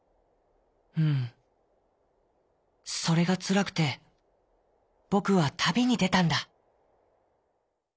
「うんそれがつらくてぼくはたびにでたんだ」。